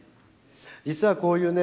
実はこういうね